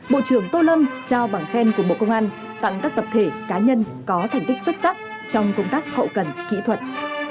bộ trưởng tô lâm trao bằng khen của bộ công an tặng các tập thể cá nhân có thành tích xuất sắc trong công tác hậu cần kỹ thuật